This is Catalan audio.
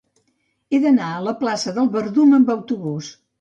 He d'anar a la plaça del Verdum amb autobús.